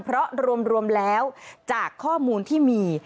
เพราะรวมแล้วจากข้อมูลที่มี